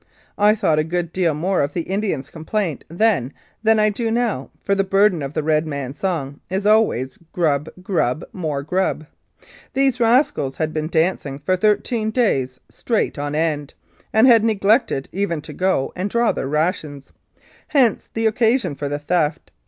I thought a good deal more of the Indians' complaint then than I do now, for the burden of the Red Man's song is always "Grub, grub, more grub." These rascals had been " dancing " for thirteen days straight on end, and had neglected even to go and draw their rations. Hence the occasion for the theft.